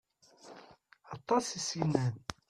Atas i as-yennan.